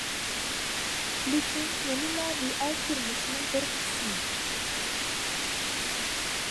لېكىن يەنىلا رېئال تۇرمۇشنىڭ بىر قىسمى.